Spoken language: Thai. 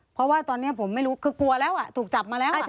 เพราะว่าตอนนี้ผมไม่รู้คือกลัวแล้วถูกจับมาแล้ว